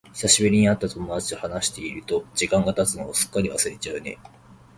久しぶりに会った友達と話していると、時間が経つのをすっかり忘れちゃうね。